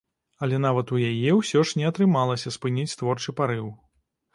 Але нават у яе ўсё ж не атрымалася спыніць творчы парыў.